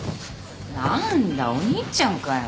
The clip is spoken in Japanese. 何だお兄ちゃんかよ。